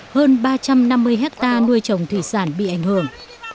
hơn ba trăm năm mươi hectare nuôi trồng thủy sản bị ảnh hưởng